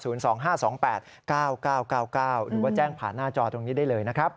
หรือว่าแจ้งผ่านหน้าจอตรงนี้ได้เลยนะครับ